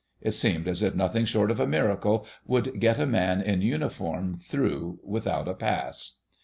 It seemed as if nothing short of a miracle would get a man in uniform through without a pass.